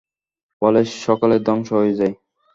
ফলে সকলেই ধ্বংস হয়ে যায়।